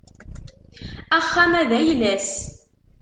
Axxam-a d ayla-s.